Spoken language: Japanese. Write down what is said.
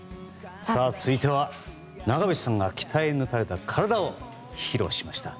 続いては、長渕さんが鍛え抜かれた体を披露しました。